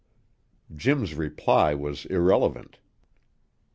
Jim's reply was irrelevant.